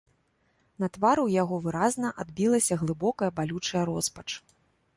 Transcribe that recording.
На твары ў яго выразна адбілася глыбокая балючая роспач.